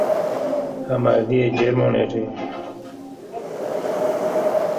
هم ارزی جرم و انرژی